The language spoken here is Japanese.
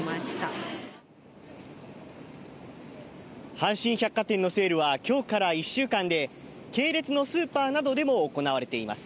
阪神百貨店のセールはきょうから１週間で系列のスーパーなどでも行われています。